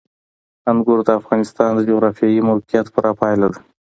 انګور د افغانستان د جغرافیایي موقیعت پوره پایله ده.